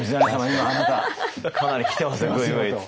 今あなたかなりキてますよグイグイ。